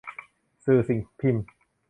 สื่อสิ่งพิมพ์